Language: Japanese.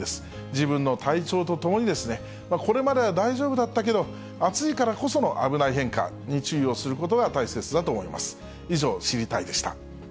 自分の体調とともに、これまでは大丈夫だったけど、暑いからこその危ない変化に注意をすることが大切だと思います。